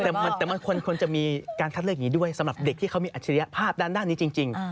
แต่มันควรจะมีการคัดเลือกอย่างนี้ด้วยสำหรับเด็กที่เขามีอัจฉริยภาพด้านนี้จริง